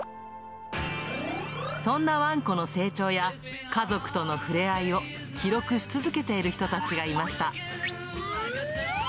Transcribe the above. そんなワンコの成長や、家族との触れ合いを記録し続けている人たちがいました。